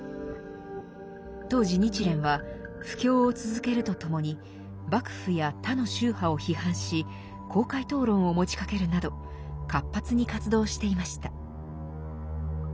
当時日蓮は布教を続けるとともに幕府や他の宗派を批判し公開討論を持ちかけるなど活発に活動していました。